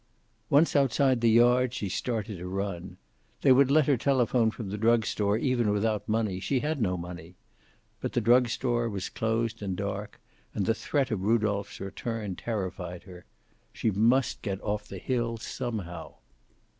Once outside the yard she started to run. They would let her telephone from the drug store, even without money. She had no money. But the drug store was closed and dark, and the threat of Rudolph's return terrified her. She must get off the hill, somehow.